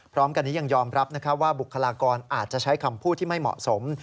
พร้อมกันนี้ยังยอมรับว่าบุคลากรอาจจะใช้คำพูดที่ไม่เหมาะสม